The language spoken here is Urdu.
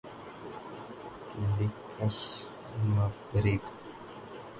لکسمبرگ